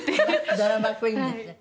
「ドラマクイーンですね」